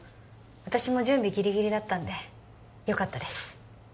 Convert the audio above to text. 私も準備ギリギリだったんでよかったです